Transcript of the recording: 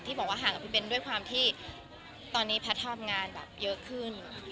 บอกว่าห่างกับพี่เบ้นด้วยความที่ตอนนี้แพทย์ทำงานแบบเยอะขึ้น